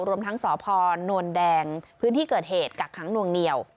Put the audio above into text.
รวมทั้งสพนวลแดงพื้นที่เกิดเหตุกักขังนวงเหนียว